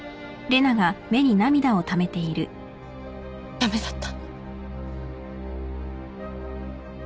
駄目だった。